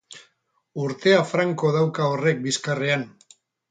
Urtea franko dauka horrek bizkarrean.